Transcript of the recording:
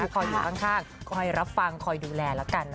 คอยอยู่ข้างคอยรับฟังคอยดูแลแล้วกันนะ